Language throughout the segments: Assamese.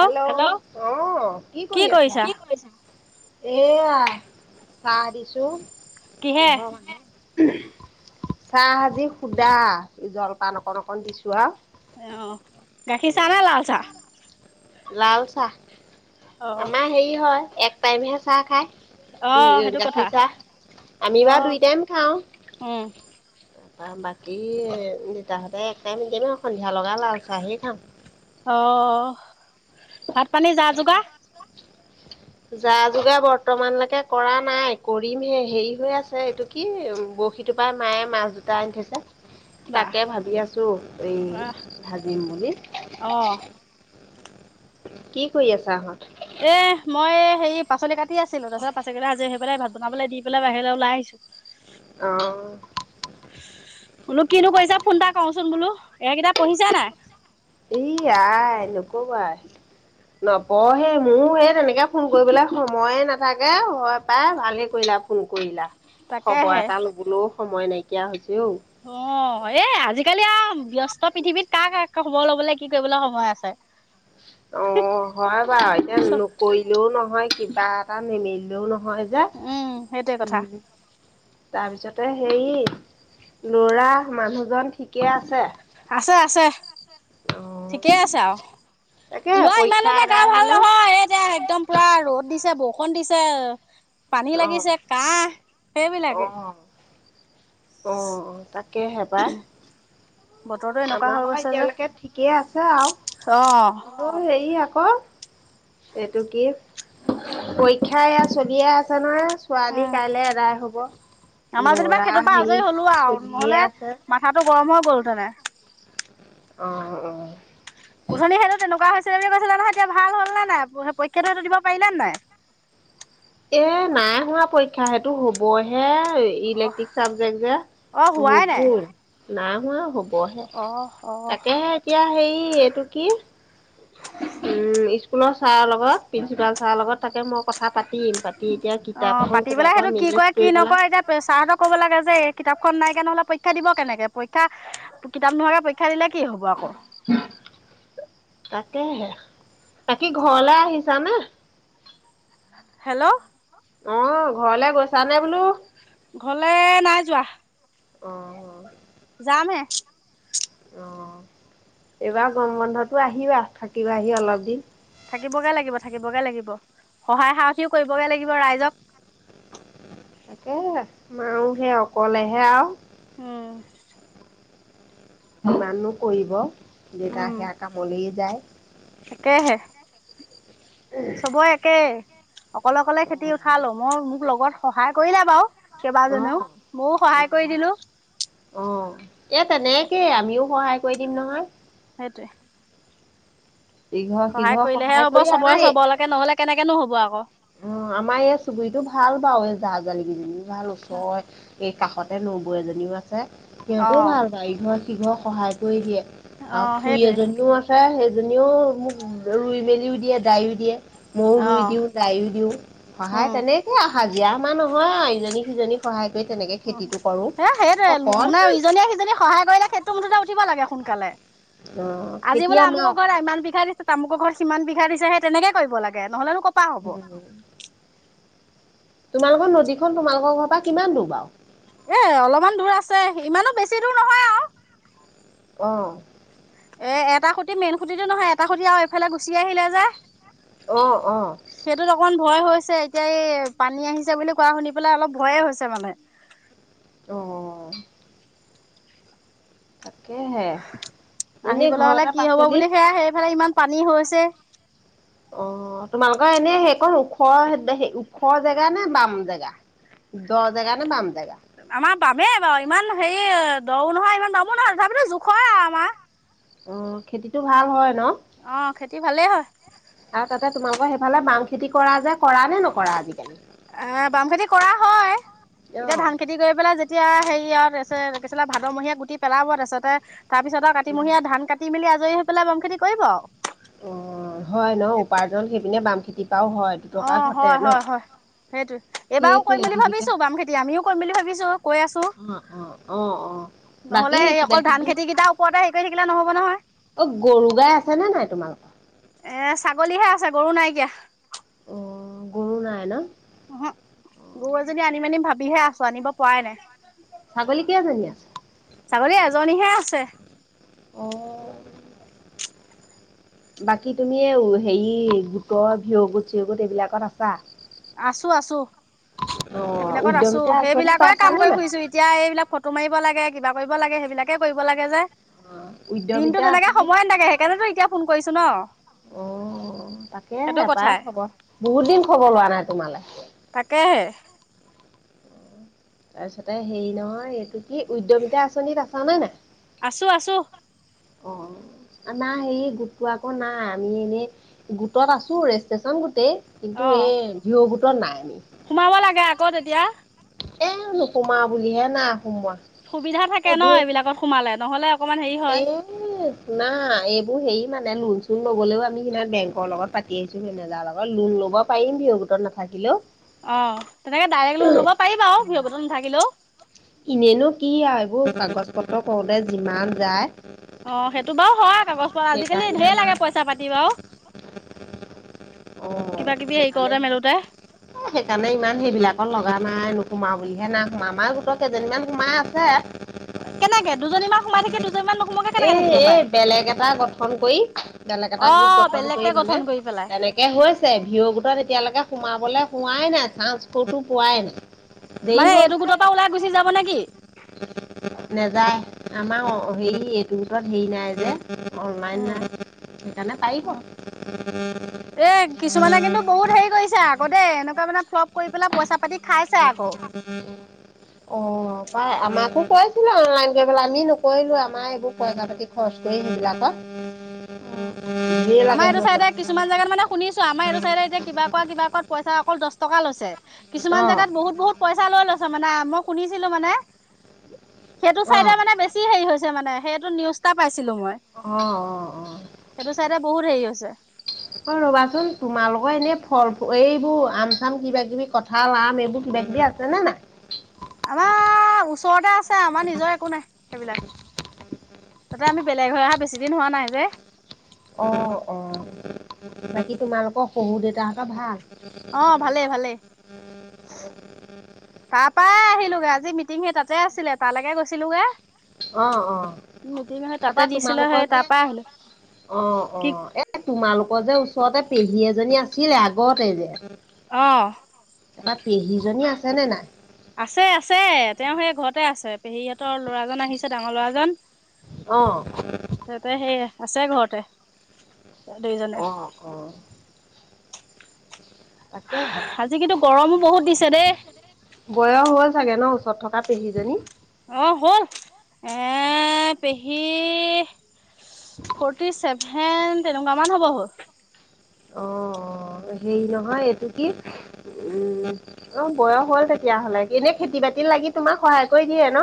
হেল্ল' অ', কি কৰি আছা কি কৰিছা? এয়া চাহ দিছো কিহে ঘৰ মানে। চাহ আাজি সুদা জলপান অকণ অকণ দিছো আৰু। অ', গাখীৰ চাহ না লাল চাহ? লাল চাহ, অ আমাৰ হেৰি হয় এক টাইমহে চাহ খাই। অ দুই সেইটো কথা গাখীৰ চাহ আমি অ বা দুইটাইম খাওঁ। উম তাৰপা বাকী দেতাহঁতে একটাইম [unintelligible] সন্ধিয়া লগা লাল চাহেই খাওঁ। অ', ভাত পানীৰ যা-যোগাৰ? [inaudible] যা-যোগাৰ বৰ্তমানলৈকে কৰা নাই কৰিমহে হেৰি হৈ আছে এইটো কি বহি সেটোপাই মায়ে মাছ দুটা আনি থৈছে। বাহ তাকে ভাবি আছোঁ এই, ভাজিম বুলি। অ কি কৰি আছা [unintelligible] এ, মই হেৰি পাচলি কাটি আছিলো তাৰ পিছত পাচলি কেটা আজৰি হৈ পেলাই ভাত বনাবলৈ দি পেলাই বাহিৰলৈ ওলাই আহিছো। অ', বোলো কিনো কৰিছা ফোন এটা কওঁচোন বোলো এই কেইটা পঢ়িছে নাই? E I নকবাই। নপহে মোৰ সেই তেনেকে ফোন কৰিবলৈ সময়ে নাথাকে। হয় পাই ভালে কৰিলা ফোন কৰিলা, খবৰ তাকেহে এটা লবলৈও সময় নাইকিয়া হৈছে ঔ। অ, এ! আজিকালি আৰু ব্যস্ত তই পৃথিৱীত কাৰ কাৰ খবৰ ল'বলৈ কি কৰিবলৈ সময় আছে। অ', হয় বাৰু এতিয়া চ নকৰিলেও নহয় কিবা এটা নিমিলেও নহয়। হয় যা উম সেইটোৱে কথা উম তাৰপিছতে। হেৰি লৰা মানুহজন ঠিকে আছে। আছে, আছে অ ঠিকেই আছে আৰু তাকে লোৱা ইমানো পৰীক্ষা এটা আদায় ভাল হলে নহয়, এতিয়া একদম পুৰা ৰ'দ। দিছে বৰষুণ দিছে পানী অ লাগিছে কাহ সেইবিলাকে। অহ' তাকেহে পাই। বতৰটো এনেকুৱা আমাৰ হৈ বাৰু গৈছে যে এতিয়ালৈকে ঠিকেই আছে আৰু, অ অহ' হেৰি আকৌ। ক, এইটো কি? পৰীক্ষা এয়া চলিয়ে আছে নহয়। ছোৱালী উম কাইলে এৰাই হ'ব। আমাৰ যেনিবা ল'ৰা সেইটোৰ পৰা হেৰি আজৰি হলোল আৰু, চলিয়ে নহ'লে আছে মাথাটো গৰম হৈ গ'ল তেনে। অহ', অহ'। উধনি হেনো তেনেকুৱা হৈছে। [unintelligible] কৈছিলে নহয় এতিয়া ভাল হ'ল নে নাই, পৰীক্ষাটোতো দিব পাৰিলা নে নাই। এ নাই হোৱা পৰীক্ষা সেইটো হ'বহে। ইলেক্ট্ৰিক চাবজেক্ট যে, অ হোৱাই নাই ভোগোল নাই হোৱা হ'ব। হ'বহে, অ অ'। তাকেহে এতিয়া হেৰি এইটো কি। উম' স্কুলৰ ছাৰৰ লগত প্ৰিন্সিপাল ছাৰৰ লগত, তাকে মই কথা পাতিম পাতিম। অহ' পাতি পেললে সেইটো কি কৰে কৰি কি পেলাই নকৰে এতিয়া ছাৰতক ক'ব লাগে যে এই কিতাপ। নাই কেনে পৰীক্ষা দিব কেনেকে, পৰীক্ষা কিতাপ নোহোৱাকে পৰীক্ষা দিলে। কি হ'ব আকৌ? তাকহে, বাকী ঘৰলে আহিছানে। হেল্ল' অহ' ঘৰলে গৈছি। ঘৰলে, নাই যোৱা। অহ'। যামহে। অহ' এইবাৰ গৰম বন্ধতো আহিবি। থাকিব আহি অলপ দিন। থাকিবগে লাগিব, থাকিবগে লাগিব। সহায় সাৰথি কৰিবগে লাগিব ৰাইজক। [unintelligible] তাকে, মায়ো সেই অকলেহে আৰু। উম'। ইমানো কৰিব, যেতিয়া উম সেয়া কামলৈ যায়। তাকেহে [unintelligible] চবৰে একে, অকলে অকলে খেতি অ' উঠালো, মই মোক লগত সহায় কৰিলো বাৰু। কেইবাজনীও, অ' ময়ো সহায় কৰি দিলো। অ' এ, তেনেকে আমিও সহায় কৰি দিম নহয়। সেইটোৱেই। ইঘৰ সহায় সিঘৰ কৰিলেহে হ'ব কৰি চবৰে চবলৈকে নহ'লে কেনেকেনো হ'ব আকৌ। অহ' আমাৰ এই চুবুৰীতটো ভাল বাৰু জা-জালি কেইজনি ভাল ওচৰ এ। কাষতে নবৈ এজনীও আছে, অ সিহঁতেও ভাল পায় ইঘৰত সিঘৰত সহায় কৰি দিয়ে। অ আৰু খুুৰী সেইটোৱে এজনীও আছে, সেইজনীও মোক ৰুই, মেলিও দিয়ে দাইও দিয়ে। মইও অ ৰুই দিওঁ, তাইও ৰুই দিওঁ সহায় উম তেনেকোৱা। হাজিৰা আমাৰ নহয়, ইজনী সিজনী সহায় কৰি। তেনেকে অ, খেতিটো কৰোঁ। সে সেইটোৱে অকণমান মানে ইজনীয়ে-সিজনীক সহায় কৰিলে সেইটো মুঠতে উঠিব লাগে সোনকালে। অ' আজি খেতি বোলে, আমাৰ আমুকৰ ঘৰত ইমান বিঘাৰ দিছে। তামুকৰ ঘৰ সিমান বিঘা দিছে, সেই তেনেকে কৰিব লাগে নহলেনো কৰপা হ'ব। উম, তোমালোকৰ নদীখন, তোমালোকৰ ঘৰৰ পৰা কিমান দূৰ বাৰু। এ অলপমান দূৰ আছে, ইমানো বেছি দূৰ নহয় আৰু। অহ'। এ এটা খুঁটি মেইন খুঁটিটে নহয়, এটা খুঁটি আৰু এইফালে গুচি আহিলে যে। অহ', অহ'। সেইটোত অকমান ভয় হৈছে এতিয়া এই, পানী আহিছে বুলি কোৱা শুনি পেলাই অলপ ভয়ে হৈছে মানে। অহ'। এনে আহিবলৈ হ'লে ঘৰতে কি হ'ব পাচলি বুলি সেয়া সেইফালে ইমান পানী হৈছে। অহ' তোমালোকৰ এনেই সেইকণ ওখ, ওখ জেগা নে বাম জেগা। দ জেগা নে বাম জেগা আমাৰ বামেই বাৰু, ইমান হেৰি। দও নহয় ইমান বামো নহয় তথাপিতো জোখৰ আৰু আমাৰ। অ খেতিটো ভাল হয়। ন অ খেতি ভালেই হয়। তোমালৰ সেইফালে বাম খেতি কৰা যে। কৰা নে নকৰা আজিকালি এ বাম খেতি কৰা হয় অ এতিয়া ধান খেতি কৰি পেলাই যেতিয়া হেৰি ই আছিলে ভাদমহীয়া গুটি পেলাব তাৰপাছতে তাৰ পিছত আৰু কাতিমহীয়া ধান কাটি মেলি আজ হৈ পেলাই বম খেতি কৰিব আও। অ হয় ন উপাৰ্জন সেইপিনে বাম খেতি অ হয় হয় হয় সেইটোৱে এইবাৰও সেইটোৱে কৰিম বুলি জীৱিকা ভাবিছো বাম খেতি আমিও কৰিম বুলি ভাবিছো। কৈ আছো অ অ অ অ বাকী নহলে এই কিবা অকল কিবি ধান খেতিকেইটাৰ ওপৰতে হেৰি কৰি থাকিলে নহব নহয়। অ গৰু গাই আছে নে নাই তোমালোকৰ? এ ছাগলীহে আছে গৰু নাই এতিয়া। অ গৰু নাই ন? অহ গৰুএজনী আনিম আনিম ভাবিহে আছো আনিব পৰাই নাই। ছাগলী কেইজনী আছে? ছাগলী এজনীহে আছে। অ বাকী তুমি এই হেৰি গোটৰ ভিয় গোট চিয়গোট এইবিলাকত আছা? আছো আছো। অ' সেইবিলাকত আছো উদ্যমিতা আঁচনি সেইবিলাকে কাম পাইছানে কৰি নাই? ফুৰিছো এতিয়া এইবিলাক ফটো মাৰিব লাগে কিবা কৰিব লাগে সেইবিলাকে কৰিব লাগে যে। দিনটো উদ্যমিতা তেনেকে আঁচনি সময় নাথাকে সেইকাৰণেতো এতিয়া ফোন কৰিছো ন। অ তাকে সেইটো পাই কথাই খবৰ বহুত দিন খবৰ লোৱা নাই তোমালে তাকেহে। তাৰপিছতে ‍হেৰি নহয় এইটো সি উদ্যমিতা আঁচনিত আছ নে আছো আছো নাই? অ নাই হেৰি গোটটো আকৌ নাই আমি এনেই গোটত আছো ৰেষ্টেশচন গোটেই। অ কিন্তু এই ভিঅও গোটত নাই আমি। সোমাব লাগে আকৌ তেতিয়া। এ নোসোমাও বুলিহে না সুবিধা থাকে ন, এইবিলাকত সোমালে নহলে অকনমান হেৰি হয় এ নাই এই হেৰি মানে লোন চোন ল'বলৈও আমি সিমান বেংকৰ লগত পাতি আহিছো সেনেজাৰ লগত লোন ল'ব পাৰিম ভিঅ ত নাথাকিলেও। অ তেনেকে ডাইৰেক্ট লোন ল'ব পাৰি বাৰু ভিঅও গোটত নাথাকিলেও। এনেনো কি আৰু এইবোৰ কাগজ পত্ৰ কৰোতে যিমান যায় অ সেইটো বাৰু হয় কাগজ পোৱাত আজিকালি সেইকাৰণে ধেৰ আমাৰ লাগে পইচা পাতি বাও অ সেইকাৰণে সেইকাৰণে ইমান সেইবিলাকৰ লগা নাই। সোমাওঁ বুলিহে নাই সোমা আমাৰ গোটৰ কেইজনীমান সোমাই আছে। কেনেকে? দুজনীমান সোমাই থাকে দুজনীমান নহ এ এ বেলেগ এটা গঠন কৰি বেলেগ এটা অ গোট গঠন কৰি বেলেগকে মানে গঠন কৰি পেলাই তেনেকে হৈছে ভিৰৱগোটত এতিয়ালৈকে সোমাবলৈ হোৱাই নাই চাঞ্চ কটো পোৱাই নাই। দেৰি মানে হ'ল এইটো গোটৰ পৰা ওলাই গুচি যাব নেকি নেজাই। আমাৰ অ হেৰি এইটো গোটত হেৰি নাই যে। উম ন অ সেইকাৰণে পাৰিব। এ কিছুমানে কিন্তু বহুত হেৰি কৰিছে আকৌ দেই এনেকুৱা মানে ফ্লপ কৰি পেলাই পইচা পাতি খাইছে আকৌ। অ পাই আমাকো কৈছিলে অনলাইন আমি নকৰিলো আমাৰ এইবোৰ পইচা পাতি খৰচ কৰি সেইবিলাকত। উম। ধেৰ লাগে আমাৰ এইটো হেনো পইচা। চাইডে কিছুমান জগাত মানে শুনিছো আমাৰ এইটো চাইডে এতিয়া কিবা কৰা কিবা কৰা পইচা অকল দহ টকা লৈছে। কিছুমান অ', জগাত বহুত বহুত পইচা লৈ লৈছে মানে মই শুনিছিলো মানে। সেইটো অ', চাইদে অ', মানে বেছি হেৰি হৈছে মানে সেইটো নিউজটা পাইছে। অ অ সেইটো চাইডে বহুত হেৰি হৈছে অ ৰবাচোন তোমালোকৰ এনে ফল এইবোৰ আম চাম কিবা কিবি কথা আম এইবোৰ কিবা এতিয়া আছে নে নাই আমাৰ ওচৰতে আছে আমাৰ নিজৰ একো নাই সেইবিলাক তাতে আমি বেলেগ হৈ অহা বেছি দিন হোৱা নাই যে। অ অ বাকী তোমালোকৰ শহু দেউতাহঁতৰ ভাল অ', ভালে ভালে। তাৰ পৰাই আহিলোগে আজি মিটিং সেই তাতে আছিলে তালেকে গৈছিলোগে অ অ মিটিং হৈ তাতে দিছিলে তাপাতোমালোকৰ সেই যে তাৰ পৰা আহিলো অ', অ', কি এ তোমালোকৰ যে ওচৰতে পেহী এজনী আছিল আগতে যে। অ', এটা পেহীজনী আছে নে নাই? আছে আছে তেওঁ সেই ঘৰতে আছে পেহীহঁতৰ ল'ৰাজন আহিছে ডাঙৰ লৰাজন। অহ তাতে সেই আছে ঘৰতে। দুইজনে অহ অ তাকেহে আজি কিন্তু গৰমো বহুত দিছে দেই বয়স হল চাগে ন ওচৰত থকা পেহীজনী অ হ'ল এ পেহী ফৰ্টি ছেভেন তেনেকুৱা মান হ'ব হ'ল অ অ হেই নহয় এইটো কি উম, অ', বয়স হ'ল তেতিয়া হ'লে এনেই খেতি বাতি লাগি তোমাক সহায় কৰি দিয়ে ন?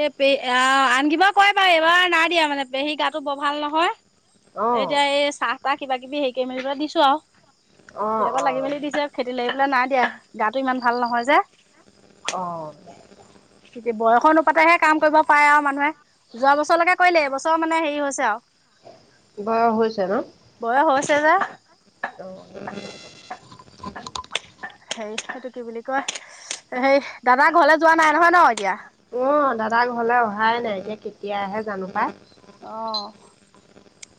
এ পে আহ আন কিবা কয় বাৰু এইবাৰ নাই দিয়া মানে পেহী গাটো বৰ ভাল নহয় অ', এতিয়া এই চাহ তাহ কিবা কিবি হেৰি কৰি মেলি পেলাই দিছো আৰু অ', সেইবিলাক লাগি অ', মেলি দিছে খেতি লাগি পেলাই নাই দিয়া গাটো ইমান ভাল নহয় যে। অ বয়সৰ অনুপাতেহে কাম কৰিব পাৰে আৰু মানুহে যোৱা বছৰলেকে কৰিলে এইবছৰ মানে হেৰি হৈছে আও বয়া হৈছে ন? [unintelligible] অ'। হে সেইটো কি বুলি কয় হেই দাদা ঘৰলৈ যোৱা নাই নহয় ন এতিয়া অ', দাদা ঘৰলে অহাই নাই এতিয়া কেতিয়া আহে জানো পাই অ',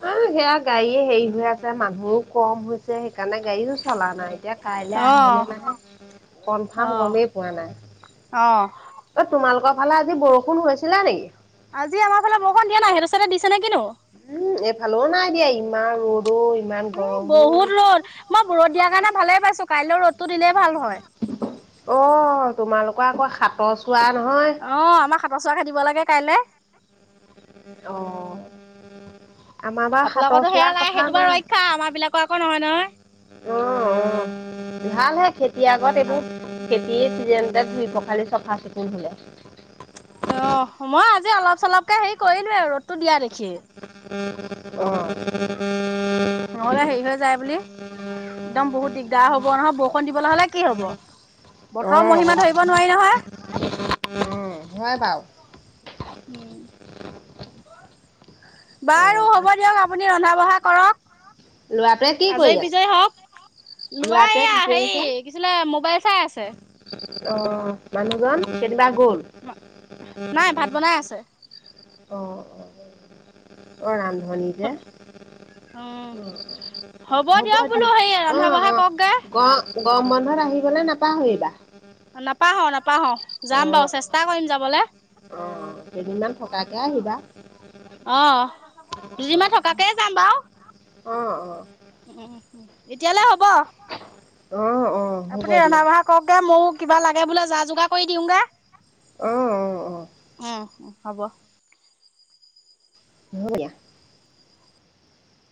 অ', সেয়া গাড়ীয়ে হেৰি হৈ আছে মানুহো কম হৈছে সেইকাৰণে গাড়ীও চলা নাই। এতিয়া কাইলে অ', আহিলে নাহে কনফাৰ্ম অ', গমেই পোৱা নাই অ', এ তোমালোকৰ ফালে আজি বৰষুণ হৈছিলে নিকি আজি আমাৰ ফালে বৰষুণ দিয়া নাই, সেইটো ছাইডে দিছে নে কি নো? উম এফালেও নাই দিয়া ইমান ৰদ অ', বহুত ৰ'দ মই ৰ'দ দিয়া কাৰণে ভালে পাইছো কাইলেও ৰ'দ অ', তোমালোকৰ আকৌ সাতৰ চোৱা নহয় অহ আমাৰ হাতৰ চুৱা খেদিব লাগে কাইলে উ অ উ আপোনালোকৰটো সেয়া নাই সেইটো বাৰু ৰক্ষা আমাৰ বিলাকৰ আকৌ নহয় নহয়। অ অ ভালহে খেতি আগত এইবোৰ কি চিজেণ্টে ধুই পখালি চাফা চিকুণ হোলে। অ মই আজি অলপ চলপকে হেৰি কৰিলোয়ে ৰ'দটো দিয়া দেখি অ', নহ'লে হেৰি হৈ যায় বুলি একদম বহুত দিগদাৰ হ'ব নহয় বৰষুণ দিবলৈ হ'লে কি হব? অ অ বতৰৰ মহিমা ধৰিব নোৱাৰি নহয়। অ হয় বাও উম। বাৰু হ'ব দিয়ক আপুনি ৰন্ধা বঢ়া কৰক। লোৱাৰ পাই কি আজৰি কৰি আছ? বিজয়ী হওক। লোৱা এয়া হেৰি কিছিলে মোবাইল চাই আছে। আহ মানুহজন কেতিয়িবা গ'ল। নাই ভাত বনাই আছে অ অ অ ৰান্ধনী যে উম। অ হ'ব দিয়ক দ বোলো হেৰি অ ৰন্ধা বঢ়া অ কৰকগে গ গম বন্ধত আহিবলৈ নাপাহৰিবা। নাপাহৰো নাপাহৰো যাম অ', বাৰু চেষ্টা কৰিম যাবলৈ অ কেইদিনমান থকাকে আহিবা অ' অ', দুদিনমান থকাকে যাম বাৰু। অ অ্ উম উম এতিয়ালৈ হ'ব অ', অ', হ'ব আপুনি ৰন্ধা দিয়া। বঢ়া কৰক গে ময়ো কিবা লাগে বোলে যা যোগাৰ কৰি দিওঁগে। অ', অ', অ', উ উ হ'ব। সেয়া -